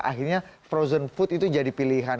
akhirnya frozen food itu jadi pilihan